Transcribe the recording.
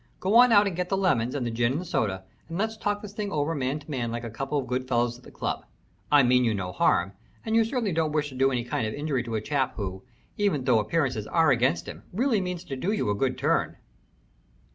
Go on out and get the lemons and the gin and soda, and let's talk this thing over man to man like a couple of good fellows at the club. I mean you no harm, and you certainly don't wish to do any kind of injury to a chap who, even though appearances are against him, really means to do you a good turn."